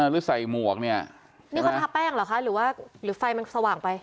หรือใส่หมวกเนี่ยนี่เขาทาแป้งเหรอคะหรือว่าหรือไฟมันสว่างไป